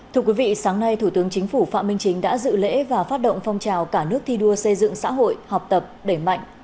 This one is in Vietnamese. thưa quý vị sáng nay thủ tướng chính phủ phạm minh chính đã dự lễ và phát động phong trào cả nước thi đua xây dựng xã hội học tập đẩy mạnh